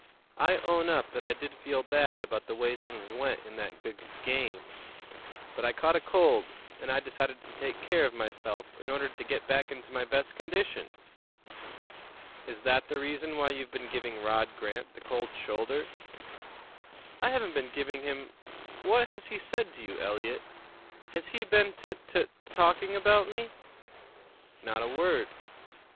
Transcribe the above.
"I own up that I did feel bad about the way things went in that gug game; but I caught a cold, and I decided to take care of myself in order to get back into my best condition." "Is that the reason why you've been giving Rod Grant the cold shoulder?" "I haven't been giving him What has he said to you, Eliot? Has he been tut tut talking about me?" "Not a word."